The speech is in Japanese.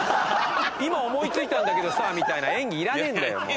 「今思いついたんだけどさ」みたいな演技いらねえんだよ。